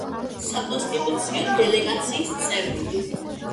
საკონსტიტუციო დელეგაციის წევრი.